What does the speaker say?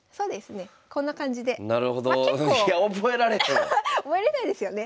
いや覚えれないですよね。